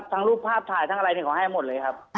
ทั้งภาพสามารถถ่ายอะไรก็ขอให้หมดเลยครับ